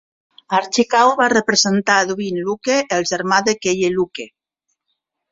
Archie Kao va representar a Edwin Luke, el germà de Keye Luke.